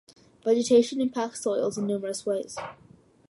Vegetation impacts soils in numerous ways.